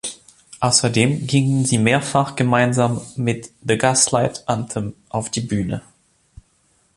Außerdem gingen sie mehrfach gemeinsam mit The Gaslight Anthem auf die Bühne.